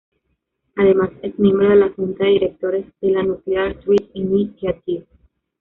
Además, es miembro de la Junta de Directores de la Nuclear Threat Initiative.